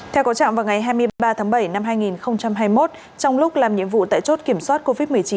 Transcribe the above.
theo cổ trạng vào ngày hai mươi ba tháng bảy năm hai nghìn hai mươi một trong lúc làm nhiệm vụ tải chốt kiểm soát covid một mươi chín